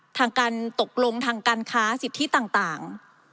ทางการตกลงทางการค้าสิทธิต่าง